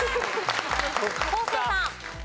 昴生さん。